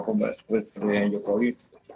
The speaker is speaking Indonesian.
pemerintah presiden jokowi